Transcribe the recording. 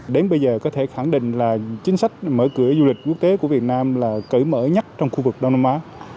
đến bây giờ có thể khẳng định là chính sách mở cửa du lịch quốc tế của việt nam là cởi mở nhất trong khu vực đông nam á